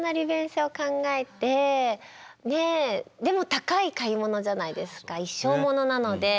でも高い買い物じゃないですか一生ものなので。